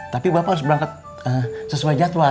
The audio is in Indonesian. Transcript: tapi bapak harus berangkat sesuai jadwal